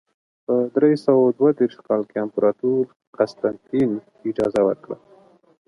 په درې سوه دوه دېرش کال کې امپراتور قسطنطین اجازه ورکړه.